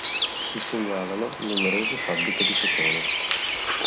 Si segnalano numerose fabbriche di cotone.